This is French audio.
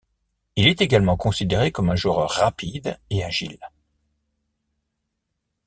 Il est également considéré comme un joueur rapide et agile.